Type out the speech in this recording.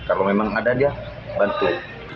kalau memang ada dia bantu